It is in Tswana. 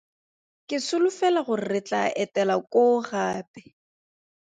Ke solofela gore re tlaa etela koo gape.